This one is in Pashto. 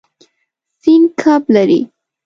سیند کب لري.